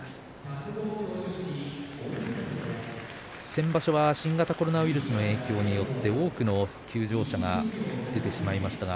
先場所は新型コロナウイルスの影響によって多くの休場者が出てしまいました。